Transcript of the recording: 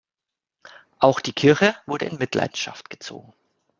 Auch die Kirche wurde in Mitleidenschaft gezogen.